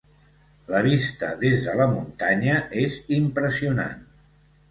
La vista des de la muntanya és impressionant.